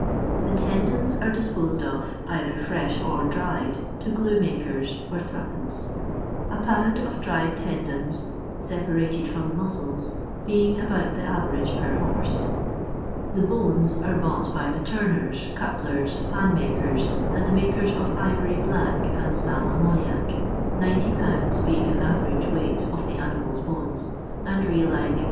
The tendons are disposed of, either fresh or dried, to glue makers for 8<2. — a ponud of dried tendons (separated from the muiscles) being about the average per horse. The B 8 LONDOir LABOUR AND THE LONDON POOR. bonei are boagbt by the tarnen, cutlers, fan makers, and the mnkers of ivory black and sal ammoniac, 00 lbs. being an average weight of the animal's bones, and realizing 2«.